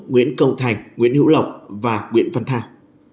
nguyễn công thành nguyễn hữu lộc và nguyễn văn thao